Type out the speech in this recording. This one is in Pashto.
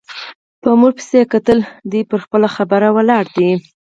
په موږ پسې یې کتل، دوی پر خپله خبره ولاړې دي.